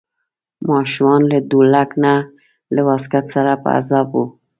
ماشوم له ډولک نه له واسکټ سره په عذاب و.